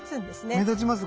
目立ちます